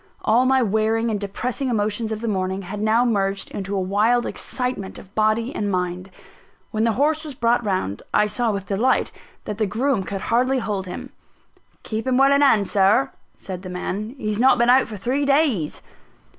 All my wearing and depressing emotions of the morning, had now merged into a wild excitement of body and mind. When the horse was brought round, I saw with delight that the groom could hardly hold him. "Keep him well in hand, Sir," said the man, "he's not been out for three days."